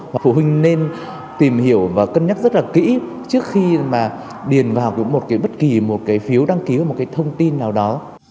và phụ huynh nên tìm hiểu và cân nhắc rất là kỹ trước khi mà điền vào một cái bất kỳ một cái phiếu đăng ký ở một cái thông tin nào đó